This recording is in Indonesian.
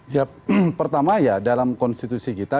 ya pertama ya dalam konstitusi kita